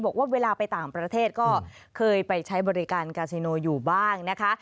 บอกว่าเวลาไปต่างประเทศก็เคยไปใช้บริการกาซิโนอยู่บ้างนะคะ